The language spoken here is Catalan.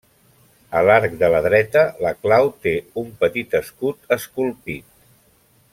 A l'arc de la dreta, la clau té un petit escut esculpit.